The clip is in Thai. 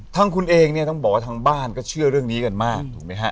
ทั้งคุณเองเนี่ยทั้งบ้านก็เชื่อเรื่องนี้กันมากถูกมั้ยฮะ